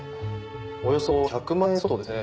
およそ１００万円相当ですね。